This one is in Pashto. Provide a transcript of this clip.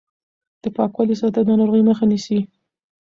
د پاکوالي ساتل د ناروغۍ مخه نیسي.